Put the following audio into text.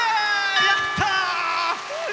やったー！